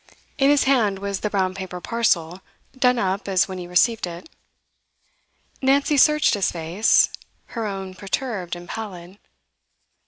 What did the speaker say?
In his hand was the brown paper parcel, done up as when he received it. Nancy searched his face, her own perturbed and pallid.